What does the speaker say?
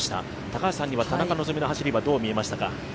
高橋さんには田中希実の走りはどう見えましたか？